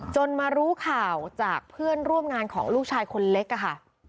มารู้ข่าวจากเพื่อนร่วมงานของลูกชายคนเล็กค่ะ